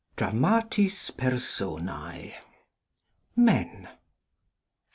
DRAMATIS PERSONÆ. MEN.